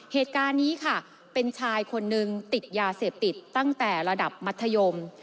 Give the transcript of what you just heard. เหตุการณ์นี้ค่ะเป็นชายคนนึงติดยาเสพติดตั้งแต่ระดับมัธยม